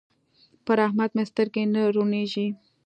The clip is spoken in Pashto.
پر احمد مې سترګې نه روڼېږي.